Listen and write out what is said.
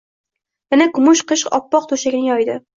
Yana kumush qish oppoq to`shagini yoydi